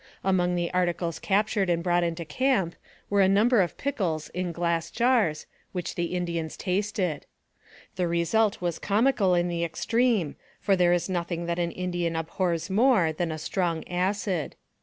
Among the articles captured and brought into camp 148 NARRATIVE OF CAPTIVITY were a number of pickles in glass jars, which the In dians tasted. The result was comical in the extreme, for there is nothing that an Indian abhors more than a strong acid.